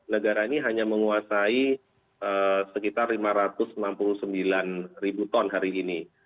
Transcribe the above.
negara ini hanya menguasai sekitar rp lima ratus enam puluh sembilan hari ini